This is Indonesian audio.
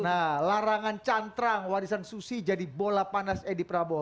nah larangan cantrang warisan susi jadi bola panas edi prabowo